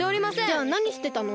じゃあなにしてたの？